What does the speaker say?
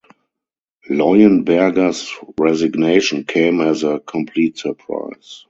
Leuenberger's resignation came as a complete surprise.